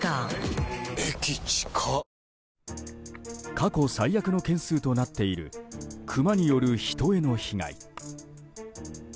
過去最悪の件数となっているクマによる人への被害。